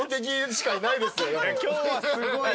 今日はすごいよ。